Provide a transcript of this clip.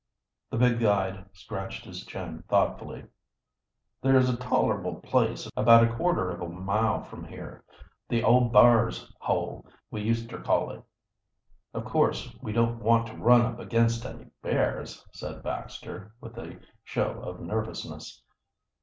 The big guide scratched his chin thoughtfully. "There's a tolerable place about quarter of a mile from here the old B'ars' Hole, we use ter call it." "Of course we don't want to run up against any bears," said Baxter, with a show of nervousness.